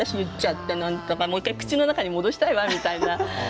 ってもう１回、口の中に戻したいわみたいな。